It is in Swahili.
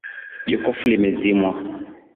Jokofu limezimwa